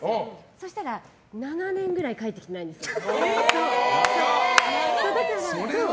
そうしたら、７年ぐらい返ってきてないんですよ。